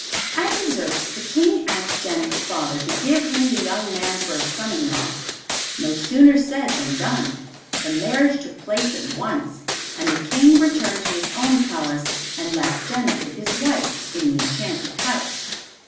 At dessert the King asked Jenik's father to give him the young man for a son in law. No sooner said than done! The marriage took place at once, and the King returned to his own palace, and left Jenik with his wife in the enchanted house.